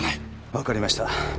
わかりました。